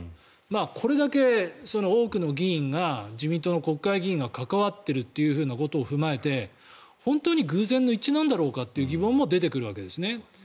これだけその多くの議員が自民党の国会議員が関わっているというふうなことを踏まえて本当に偶然の一致なんだろうかという疑問も出てくるわけですね。